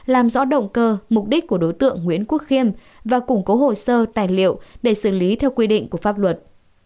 làm rõ động cơ mục đích của đối tượng nguyễn quốc khiêm và củng cố hồ sơ tài liệu để xử lý theo quy định của pháp luật